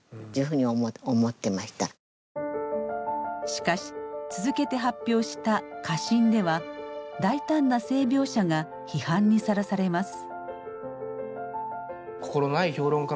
しかし続けて発表した「花芯」では大胆な性描写が批判にさらされます。